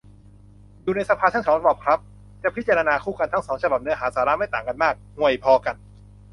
อยู่ในสภาทั้งสองฉบับครับ จะพิจารณาคู่กัน ทั้งสองฉบับเนื้อหาสาระไม่ต่างกันมาก ห่วยพอกัน